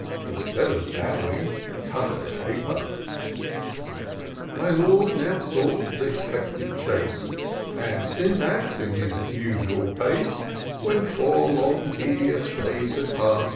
Instead of bowing, cut a caper* My Lord now sought th' expected chase. And Syntax, in his usual pace, When four long tedious days had past.